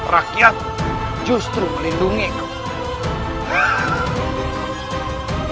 rakyat justru melindungi kau